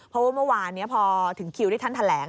เพราะว่าเมื่อวานนี้พอถึงคิวที่ท่านแถลง